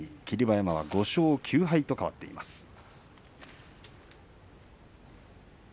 霧馬山は５勝９敗と変わっています。